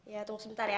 ya tunggu sebentar ya